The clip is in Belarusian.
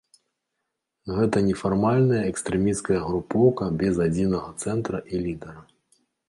Гэта нефармальная экстрэмісцкая групоўка без адзінага цэнтра і лідара.